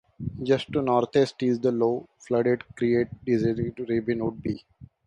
Just to the northeast is a low, flooded crater designated Reinhold B.